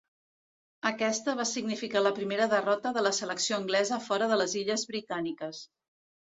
Aquesta va significar la primera derrota de la selecció anglesa fora de les Illes britàniques.